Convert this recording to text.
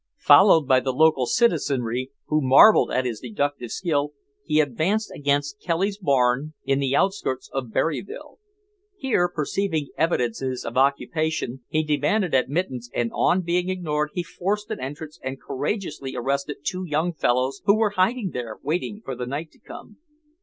Followed by the local citizenry, who marveled at his deductive skill, he advanced against Kelly's barn in the outskirts of Berryville. Here, perceiving evidences of occupation, he demanded admittance and on being ignored he forced an entrance and courageously arrested two young fellows who were hiding there waiting for the night to come.